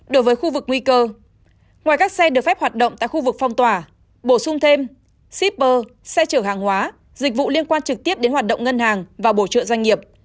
đối với khu vực nguy cơ ngoài các xe được phép hoạt động tại khu vực phong tỏa bổ sung thêm shipper xe chở hàng hóa dịch vụ liên quan trực tiếp đến hoạt động ngân hàng và bổ trợ doanh nghiệp